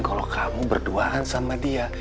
kalau kamu berduaan sama dia